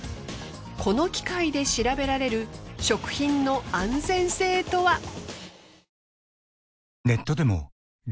この機械で調べられる食品の安全性とは？